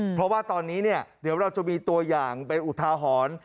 เพราะว่าตอนนี้เนี่ยเดี๋ยวเราจะมีตัวอย่างเป็นอุทาหรณ์